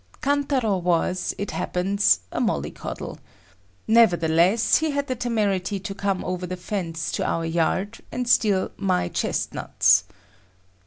Kantaro was, it happens, a mollycoddle. Nevertheless he had the temerity to come over the fence to our yard and steal my chestnuts.